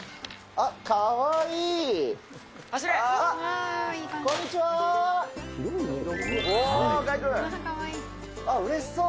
あれ、うれしそう。